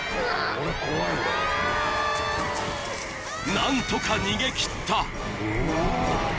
［何とか逃げ切った］